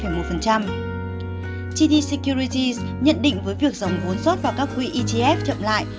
gd securities nhận định với việc dòng hốn sót vào các quỹ etf chậm lại